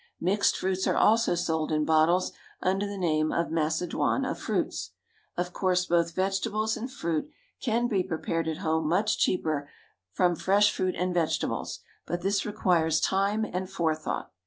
Mixed fruits are also sold in bottles under the name of Macedoine of Fruits. Of course, both vegetables and fruit can be prepared at home much cheaper from fresh fruit and vegetables, but this requires time and forethought.